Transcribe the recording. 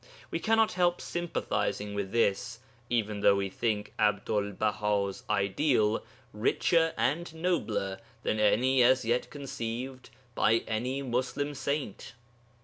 We cannot help sympathizing with this, even though we think Abdul Baha's ideal richer and nobler than any as yet conceived by any Muslim saint.